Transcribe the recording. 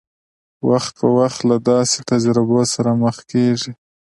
وخت په وخت له داسې تجربو سره مخ کېږي.